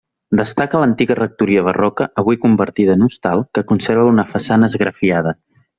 Destaca l'antiga rectoria barroca avui convertida en hostal, que conserva una façana esgrafiada.